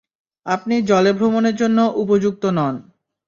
আপনি জলে ভ্রমণের জন্য উপযুক্ত নন।